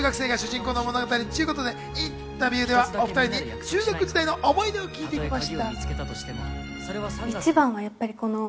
中学生が主人公の物語ということで、インタビューではお２人に中学時代の思い出を聞いてきました。